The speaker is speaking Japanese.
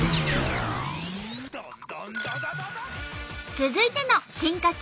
続いての進化形